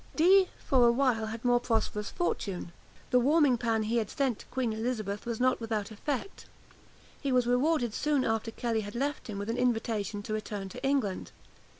Dee, for a while, had more prosperous fortune. The warming pan he had sent to Queen Elizabeth was not without effect. He was rewarded soon after Kelly had left him with an invitation to return to England.